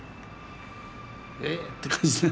え⁉って感じでね